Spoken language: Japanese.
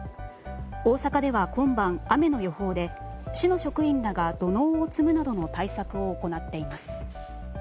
大阪では今晩、雨の予報で市の職員らが土のうを積むなどの対策を行っています。